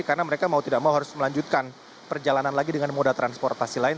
karena mereka mau tidak mau harus melanjutkan perjalanan lagi dengan moda transportasi lain